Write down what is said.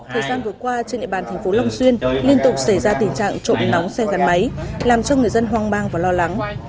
thời gian vừa qua trên địa bàn tp long xuyên liên tục xảy ra tình trạng trộm nắm xe cán máy làm cho người dân hoang mang và lo lắng